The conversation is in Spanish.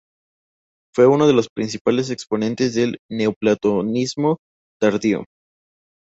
Fue uno de los principales exponentes del neoplatonismo tardío.